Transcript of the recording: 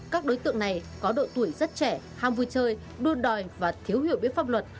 các đối tượng này có độ tuổi rất trẻ hang vui chơi đuôn đòi và thiếu hiểu biết pháp luật